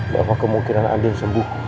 bahwa kemungkinan andien sembuh